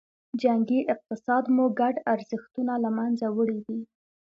جنګي اقتصاد مو ګډ ارزښتونه له منځه وړي دي.